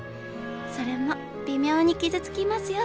それも微妙に傷つきますよ。